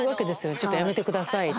「ちょっとやめてください」と。